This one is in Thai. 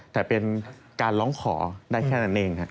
แต่เป็นการร้องขอได้แค่นั้นเองครับ